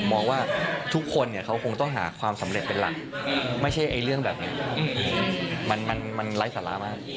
มองว่าทุกคนเนี่ยเขาคงต้องหาความสำเร็จเป็นหลักไม่ใช่เรื่องแบบนี้มันไร้สาระมาก